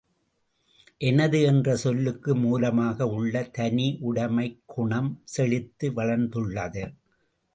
எனது என்ற சொல்லுக்கு மூலமாக உள்ள தனிஉடைமைக்குணம் செழித்து வளர்ந்துள்ளது.